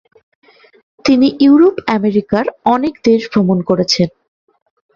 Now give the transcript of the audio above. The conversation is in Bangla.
তিনি ইউরোপ আমেরিকার অনেক দেশ ভ্রমণ করেছেন।